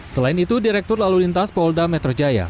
selain itu direktur lalu lintas polda metro jaya